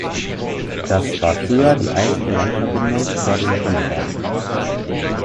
Das war früher die einzige Landverbindung vor dem Tunnelbau.